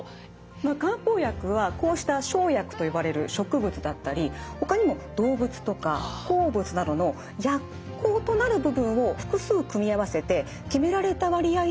漢方薬はこうした生薬と呼ばれる植物だったりほかにも動物とか鉱物などの薬効となる部分を複数組み合わせて決められた割合で調合されたものを漢方薬といいます。